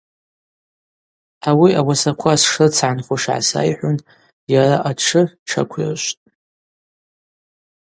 Ауи ауасаква сшрыцгӏанхуш гӏасайхӏвын йара атшы тшаквирышвтӏ.